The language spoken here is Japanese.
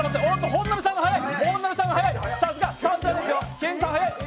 本並さんが早い！